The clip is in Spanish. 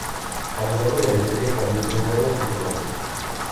A lo largo de la historia cambió su número y su nombre.